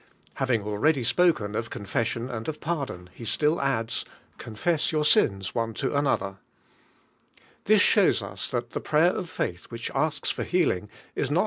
Having already shall bring glory to Gud. npnken of eonfesHion ami of pardon, he still adds: "Confess your sins one to an other." This shows us that the prayer of faith which asks for healing is not.